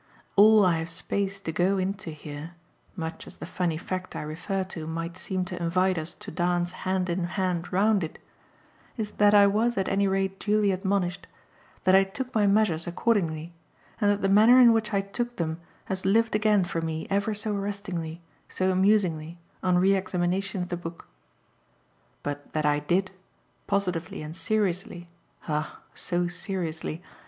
All I have space to go into here much as the funny fact I refer to might seem to invite us to dance hand in hand round it is that I was at any rate duly admonished, that I took my measures accordingly, and that the manner in which I took them has lived again for me ever so arrestingly, so amusingly, on re examination of the book. But that I did, positively and seriously ah so seriously!